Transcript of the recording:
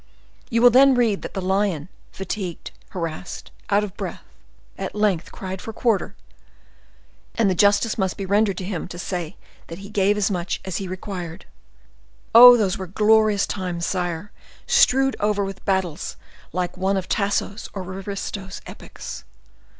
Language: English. You will there read that the lion, fatigued, harassed, out of breath, at length cried for quarter, and the justice must be rendered him to say, that he gave as much as he required. Oh! those were glorious times, sire, strewed over with battles like one of Tasso's or Ariosto's epics.